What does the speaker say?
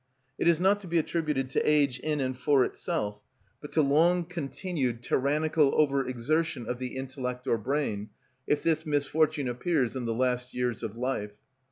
It is not to be attributed to age in and for itself, but to long continued tyrannical over exertion of the intellect or brain, if this misfortune appears in the last years of life.